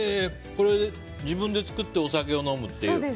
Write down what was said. これ、自分で作ってお酒を飲むという？